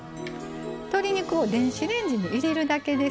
鶏肉を電子レンジに入れるだけです。